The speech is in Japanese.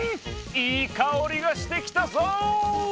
いいかおりがしてきたぞ！